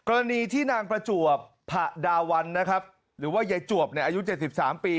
กรณีที่นางประจวบผะดาวันนะครับหรือว่ายายจวบอายุ๗๓ปี